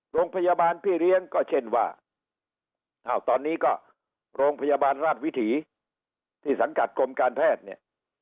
โรงพยาบาลพี่เลี้ยงก็เช่นว่าอ้าวตอนนี้ก็โรงพยาบาลราชวิถีที่สังกัดกรมการแพทย์เนี่ย